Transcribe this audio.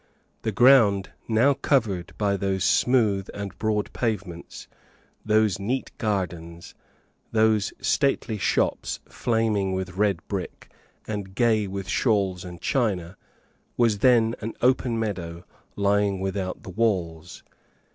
The ground now covered by those smooth and broad pavements, those neat gardens, those stately shops flaming with red brick, and gay with shawls and china, was then an open meadow lying without the walls.